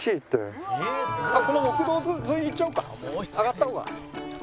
上がった方が。